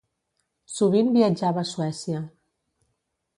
Sovint viatjava a Suècia.